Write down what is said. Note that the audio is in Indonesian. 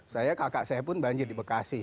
saya kakak saya pun banjir di bekasi